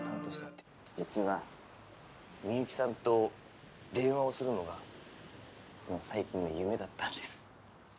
実は、みゆきさんと電話をするのが最後の夢だったんです。